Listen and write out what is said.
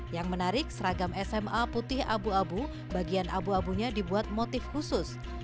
yang menarik seragam sma putih abu abu bagian abu abunya dibuat motif khusus